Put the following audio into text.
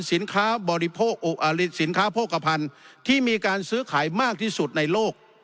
สินค้าโภคภัณฑ์ที่มีการซื้อขายมากที่สุดในโลก